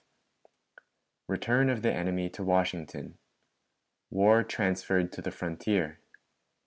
CHAPTER XXXV. Return of the Enemy to Washington. War transferred to the Frontier.